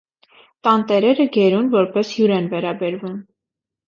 Տանտերերը գերուն որպես հյուր են վերաբերվում։